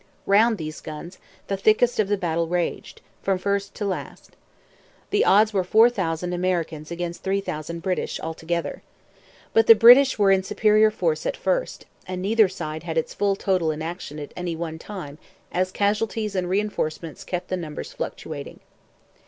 Round these guns the thickest of the battle raged, from first to last. The odds were four thousand Americans against three thousand British, altogether. But the British were in superior force at first; and neither side had its full total in action at any one time, as casualties and reinforcements kept the numbers fluctuating.